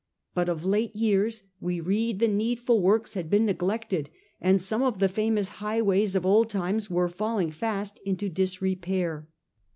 But of late years, we read, the needful ' works had been neglected, and some of the famous high ways of old times were fast falling into disrepair.